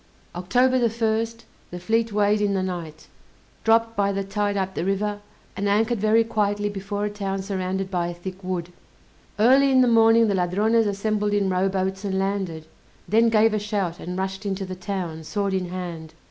October the 1st, the fleet weighed in the night, dropped by the tide up the river, and anchored very quietly before a town surrounded by a thick wood. Early in the morning the Ladrones assembled in rowboats and landed; then gave a shout, and rushed into the town, sword in hand.